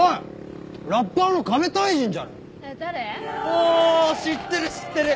お知ってる知ってる。